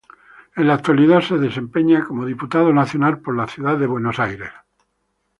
En la actualidad se desempeña como diputado nacional por la ciudad de Buenos Aires.